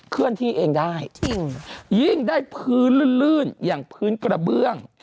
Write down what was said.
เคลื่อนที่เองได้ยิ่งได้พื้นลื่นลื่นอย่างพื้นกระเบื้อง